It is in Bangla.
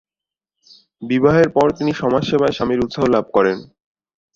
বিবাহের পর তিনি সমাজসেবায় স্বামীর উৎসাহ লাভ করেন।